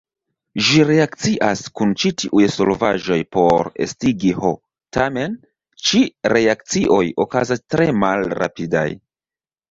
Ĝi reakcias kun ĉi-tiuj solvaĵoj por estigi H, tamen, ĉi-reakcioj okazas tre malrapidaj.